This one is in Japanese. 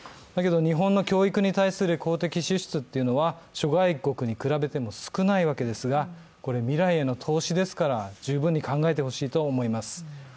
だけど日本の教育に対する公的支出は諸外国に比べても少ないわけですが、未来への投資ですから十分に考えてほしいと思います。